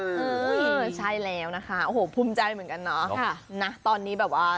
ใช่แล้วนะคะโอ้โหภูมิใจเหมือนกันเนาะนะตอนนี้แบบว่า